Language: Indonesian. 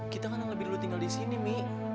kita kan yang lebih dulu tinggal di sini mi